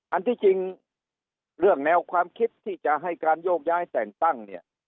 อันที่จริงเรื่องแนวความคิดที่จะให้การโยกย้ายแต่งตั้งเนี่ย